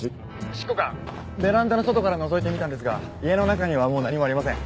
執行官ベランダの外からのぞいてみたんですが家の中にはもう何もありません。